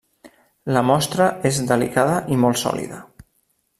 La mostra és delicada i molt sòlida.